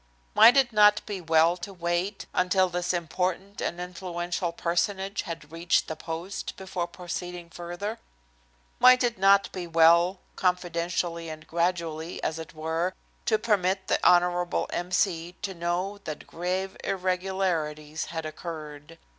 Might it not be well to wait until this important and influential personage had reached the post before proceeding further? Might it not be well, confidentially and gradually, as it were, to permit the Honorable M. C. to know that grave irregularities had occurred?